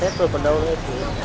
hết tôi còn đâu nữa chị